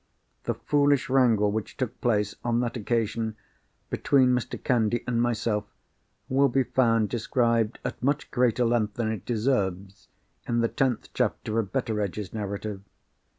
The foolish wrangle which took place, on that occasion, between Mr. Candy and myself, will be found described at much greater length than it deserves in the tenth chapter of Betteredge's Narrative.